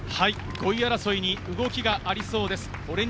５位争いに動きがありそうです。